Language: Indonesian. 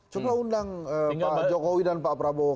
coba undang pak jokowi dan pak prabowo